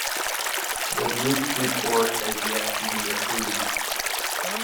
The Group's report has yet to be approved.